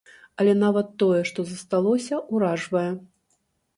Але нават тое, што засталося, уражвае.